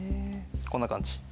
こんな感じ。